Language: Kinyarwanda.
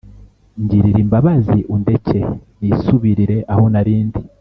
Ngirira imbabazi undeke nisubirire aho narindi